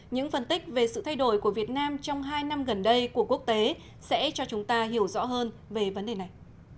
những phân tích về sự thay đổi của việt nam trong hai năm gần đây của quốc tế sẽ cho chúng ta hiểu rõ hơn về vấn đề này